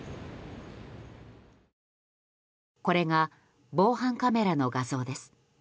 これが防犯カメラの画像です。